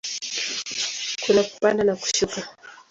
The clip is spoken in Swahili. Kuna kupanda na kushuka.